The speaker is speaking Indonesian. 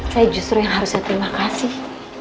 saya justru yang harusnya terima kasih